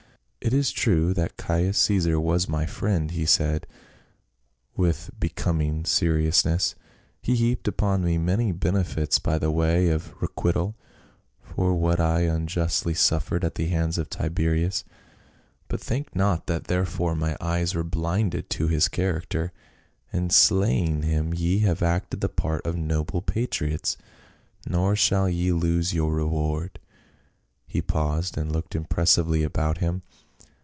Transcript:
" It is true that Caius Caesar was my friend," he said with becoming seriousness ;" he heaped upon me many benefits by way of requital for what I unjustly suffered at the hands of Tiberius ; but think not that therefore my eyes were blinded to his character. In slaying him ye have acted the part of noble patriots, nor shall ye lose your reward." He paused and looked impressively about him.